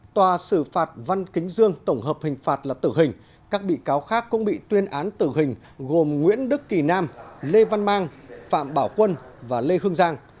tòa xử phạt văn kính dương tổng hợp hình phạt là tử hình các bị cáo khác cũng bị tuyên án tử hình gồm nguyễn đức kỳ nam lê văn mang phạm bảo quân và lê hương giang